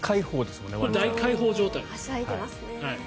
大解放状態です。